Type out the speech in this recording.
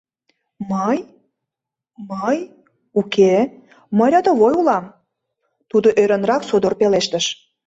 — Мый... мый... уке, мый рядовой улам, — тудо ӧрынрак содор пелештыш.